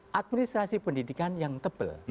ini adalah administrasi pendidikan yang tebal